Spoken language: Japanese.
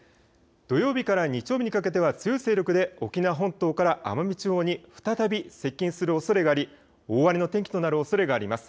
土曜日から日曜日にかけては強い勢力で沖縄本島から奄美地方に再び接近するおそれがあり大荒れの天気となるおそれがあります。